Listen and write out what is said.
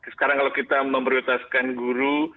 sekarang kalau kita memberi ototkan guru